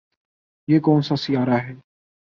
یہ کون سا سیارہ ہے